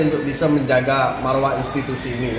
untuk bisa menjaga marwah institusi ini